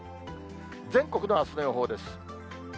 全国のあすの予報です。